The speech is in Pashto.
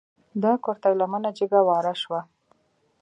د کورتۍ لمنه جګه واره شوه.